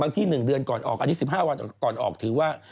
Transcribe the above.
อันที่๑๕วันก่อนออกถือว่า